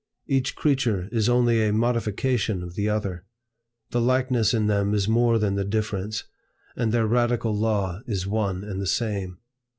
Each creature is only a modification of the other; the likeness in them is more than the difference, and their radical law is one and the same.